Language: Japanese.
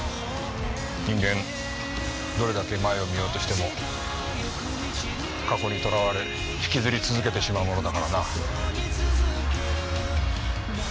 人間どれだけ前を見ようとしても過去にとらわれ引きずり続けてしまうものだからな。